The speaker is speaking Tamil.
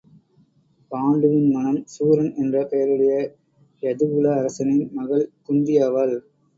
பாண்டுவின் மணம் சூரன் என்ற பெயருடைய யதுகுல அரசனின் மகள் குந்தி ஆவாள்.